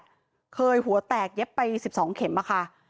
บ้างแหละเคยหัวแตกเย็บไปสิบสองเข็มอะค่ะ